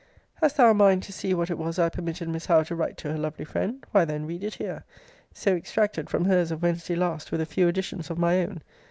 Hast thou a mind tot see what it was I permitted Miss Howe to write to her lovely friend? Why then, read it here, so extracted from her's of Wednesday last, with a few additions of my own.